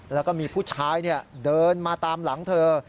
แล้วก็มีผู้ชายเดินมาตามหลังเธอ